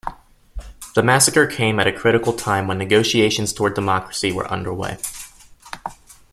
The massacre came at a critical time when negotiations towards democracy were underway.